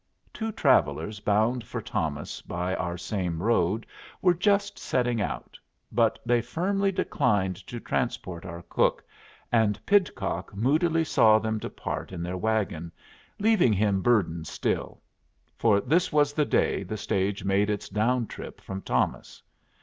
Two travellers bound for Thomas by our same road were just setting out, but they firmly declined to transport our cook, and Pidcock moodily saw them depart in their wagon, leaving him burdened still; for this was the day the stage made its down trip from Thomas.